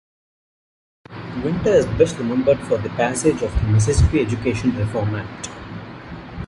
Winter is best remembered for the passage of the Mississippi Education Reform Act.